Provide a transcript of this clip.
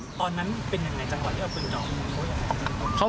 ตอนนั้นเป็นอย่างไรจังกว่าที่เอาปืนจอหัว